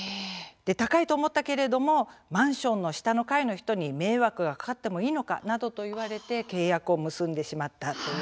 高いと思ったけれどもマンションの下の階の人に迷惑がかかってもいいのか？などと言われて契約を結んでしまった例。